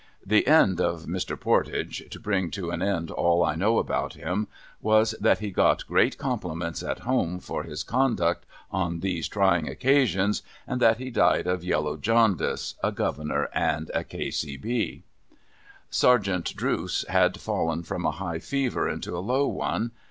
The end of Mr. Pordage, N i jR PERILS OF CERTAIN ENGLISH PRISONERS to brini; to an c iid all I know about him, was, that he got great conii)linK nts at home for his conduct on these trying occasions, and that lie died of yellow jaundice, a Governor and a K.C.B. Sergeant Drooce had fallen from a high fever into a low one.